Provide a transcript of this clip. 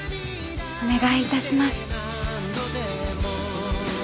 お願いいたします。